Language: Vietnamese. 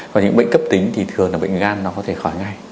và những bệnh cấp tính thì thường là bệnh gan nó có thể khỏi ngay